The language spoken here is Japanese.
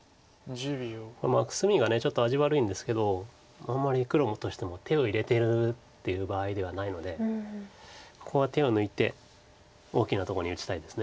隅がちょっと味悪いんですけどあんまり黒としても手を入れてるっていう場合ではないのでここは手を抜いて大きなところに打ちたいです。